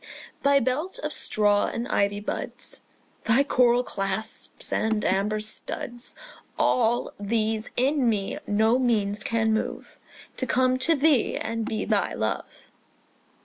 Thy belt of straw and ivy buds, Thy coral clasps and amber studs, All these in me no means can move To come to thee and be thy love.